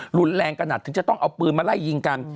รุนแรงขนาดถึงจะต้องเอาปืนมาไล่ยิงกัน